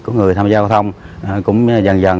của người tham gia giao thông cũng dần dần